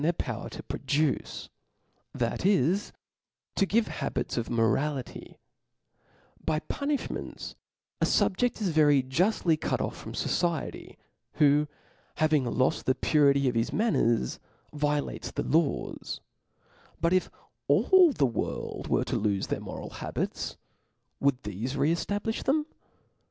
^^^^^^ power to produce, that is, to give habits of morality By punifhments a fubjeft is very juftly cut oflF from fociety, wKo having loft the purity of his manners, violates the laws ; but if all the world were to lofe their moral habits, would thele re e^ablilh them?